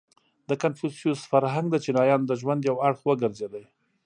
• د کنفوسیوس فرهنګ د چینایانو د ژوند یو اړخ وګرځېد.